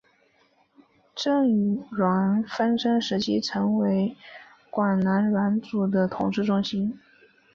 郑阮纷争时期成为广南阮主的统治中心。